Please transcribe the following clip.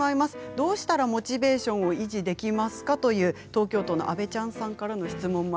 どうしたらモチベーションを維持できますかという東京都の方からです。